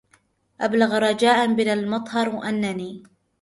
أبلغ رجاء بن المطهر أنني